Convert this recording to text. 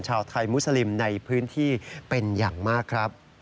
ชาวไทยมุสลิมในพื้นที่เป็นอย่างมากครับ